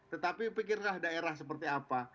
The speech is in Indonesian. tetapi pikirlah daerah seperti apa